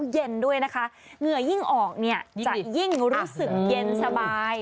เหนื่อยิ่งออกจะยิ่งรู้สึกเย็นสบาย